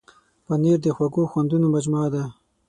پنېر د خوږو خوندونو مجموعه ده.